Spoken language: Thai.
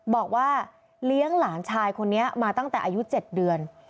บอกว่าเลี้ยงหลานชายคนนี้มาตั้งแต่อายุ๗เดือน